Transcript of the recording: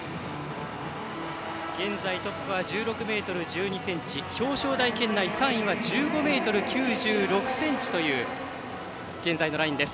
現在、トップは１６ｍ２２ｃｍ表彰台圏内３位は１５ｍ９６ｃｍという現在のラインです。